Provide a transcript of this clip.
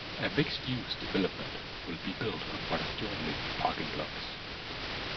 A mixed-use development will be built on what are currently parking lots.